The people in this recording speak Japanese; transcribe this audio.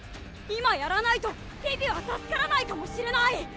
今やらないとピピは助からないかもしれない。